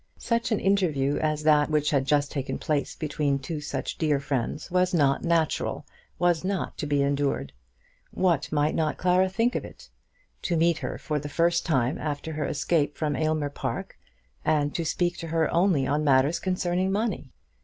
Such an interview as that which had just taken place between two such dear friends was not natural, was not to be endured. What might not Clara think of it! To meet her for the first time after her escape from Aylmer Park, and to speak to her only on matters concerning money!